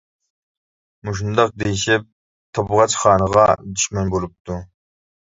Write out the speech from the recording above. مۇشۇنداق دېيىشىپ تابغاچ خانىغا دۈشمەن بولۇپتۇ.